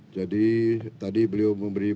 jadi tadi beliau memberi berat